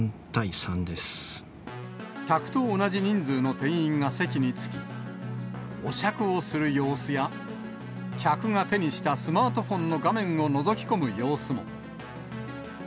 客と同じ人数の店員が席に着き、お酌をする様子や、客が手にしたスマートフォンの画面をのぞき込む様子も。